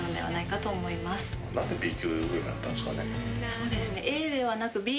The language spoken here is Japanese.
そうですね。